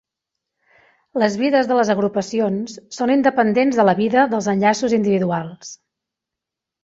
Les vides de les agrupacions són independents de la vida dels enllaços individuals.